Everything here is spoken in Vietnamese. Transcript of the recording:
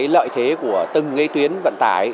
lợi thế của từng tuyến vận tải